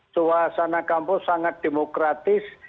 tuasana kampus sangat demokratis